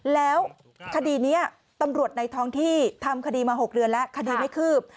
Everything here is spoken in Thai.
แล้วคดีนี้ตำรวจในท้องที่ทำคดีมา๖เดือนแล้วคดีไม่คืบ